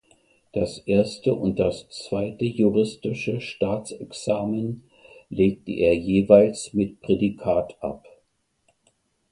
Das erste und das zweite juristische Staatsexamen legte er jeweils mit Prädikat ab.